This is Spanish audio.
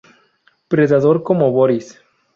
Predator como Boris.